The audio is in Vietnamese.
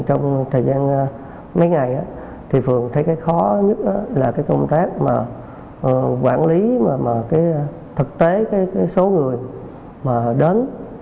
trong thời gian mấy ngày thì phường thấy cái khó nhất là cái công tác mà quản lý mà cái thực tế cái số người mà đến